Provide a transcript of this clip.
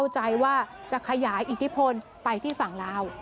จะขยายอิทธิพลไปที่ฝั่งราว